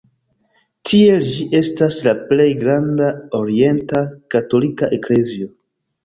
Tiel ĝi estas la plej granda orienta katolika eklezio.